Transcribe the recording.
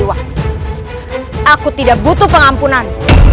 aku tidak butuh pengampunan